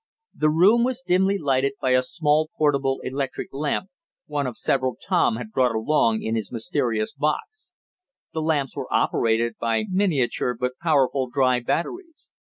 The room was dimly lighted by a small portable electric lamp, one of several Tom had brought along in his mysterious box. The lamps were operated by miniature but powerful dry batteries.